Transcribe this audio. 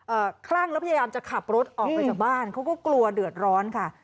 คลั่งแล้วพยายามจะขับรถออกไปจากบ้านเขาก็กลัวเดือดร้อนค่ะ